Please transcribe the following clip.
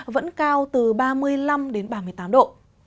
vẫn cao từ ba mươi năm đến ba mươi tám độ